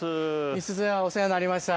いつぞやはお世話になりました。